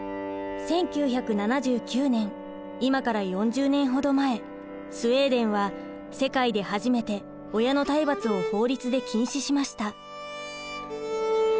１９７９年今から４０年ほど前スウェーデンは世界で初めて親の体罰を法律で禁止しました。